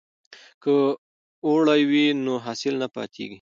که اوړی وي نو حاصل نه پاتیږي.